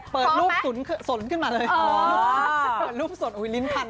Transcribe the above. เปิดรูปสนขึ้นมาเลยลิ้นพันธุ์